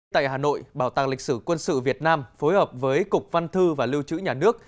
tại hà nội bảo tàng lịch sử quân sự việt nam phối hợp với cục văn thư và lưu trữ nhà nước